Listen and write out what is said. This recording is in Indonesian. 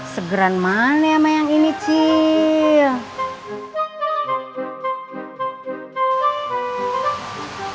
segeran mana ya sama yang ini cil